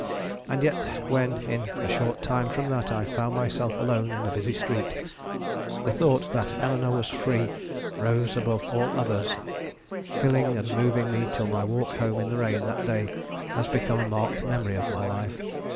And yet when, in a short time from that, I found myself alone in a busy street, the thought that Eleanore was free rose above all others, filling and moving me till my walk home in the rain that day has become a marked memory of my life.